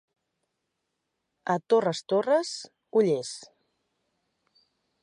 A Torres Torres, ollers.